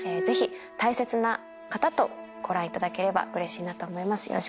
ぜひ大切な方とご覧いただければうれしいなと思います。